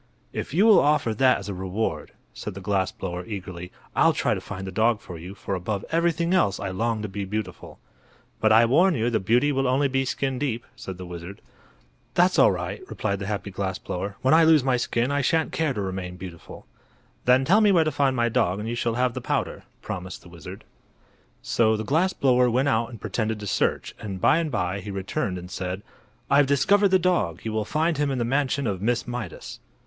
"If you will offer that as a reward," said the glass blower, eagerly, "I'll try to find the dog for you, for above everything else I long to be beautiful." "But I warn you the beauty will only be skin deep," said the wizard. "That's all right," replied the happy glass blower; "when I lose my skin I shan't care to remain beautiful." "Then tell me where to find my dog and you shall have the powder," promised the wizard. So the glass blower went out and pretended to search, and by and by he returned and said: "I've discovered the dog. You will find him in the mansion of Miss Mydas."